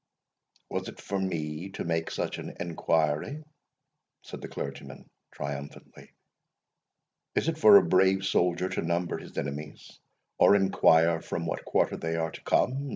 "Was it for me to make such inquiry?" said the clergyman, triumphantly. "Is it for a brave soldier to number his enemies, or inquire from what quarter they are to come?